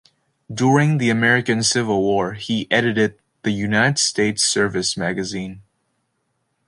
During the American Civil War, he edited the "United States Service Magazine".